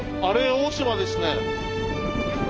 黄島ですね。